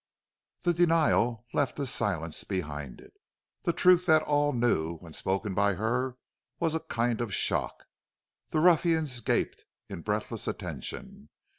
The denial left a silence behind it. The truth that all knew when spoken by her was a kind of shock. The ruffians gaped in breathless attention.